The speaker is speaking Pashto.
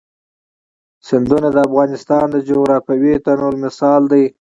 سیندونه د افغانستان د جغرافیوي تنوع مثال دی.